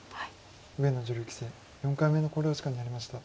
上野女流棋聖４回目の考慮時間に入りました。